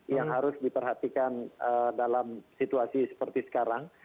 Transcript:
yang harus diperhatikan dalam situasi seperti sekarang